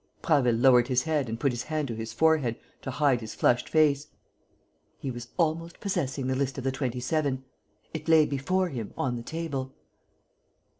Prasville lowered his head and put his hand to his forehead to hide his flushed face: he was almost possessing the list of the Twenty seven. It lay before him, on the table.